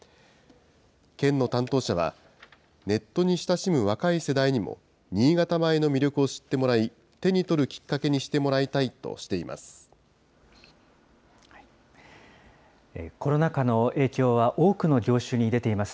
県の担当者は、ネットに親しむ若い世代にも、新潟米の魅力を知ってもらい、手に取るきっかけにしてもらいたいとしています。